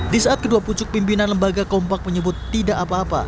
di saat kedua pucuk pimpinan lembaga kompak menyebut tidak apa apa